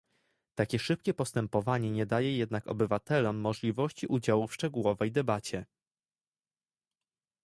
Takie szybkie postępowanie nie daje jednak obywatelom możliwości udziału w szczegółowej debacie